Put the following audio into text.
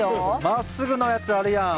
まっすぐのやつあるやん。